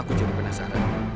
aku jadi penasaran